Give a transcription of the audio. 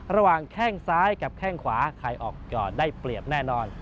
ระหว่างแค่งซ้ายกับแค่งขวาใครออกก็ได้เปรียบแน่นอน